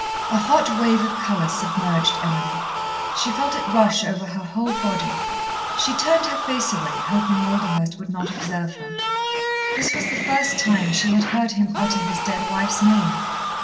A hot wave of colour submerged Emily. She felt it rush over her whole body. She turned her face away, hoping Walderhurst would not observe her. This was the first time she had heard him utter his dead wife's name.